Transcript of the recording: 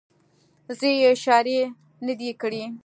زه یې اشارې نه دي کړې.